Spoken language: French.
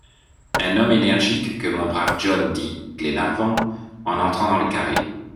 Un homme énergique que mon brave John, dit Glenarvan, en entrant dans le carré.